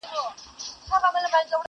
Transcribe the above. ما خو پرېږده نن رویبار په وینو ژاړي!!